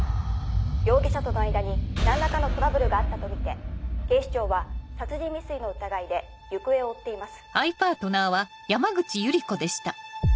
容疑者との間に何らかのトラブルがあったとみて警視庁は殺人未遂の疑いで行方を追っています。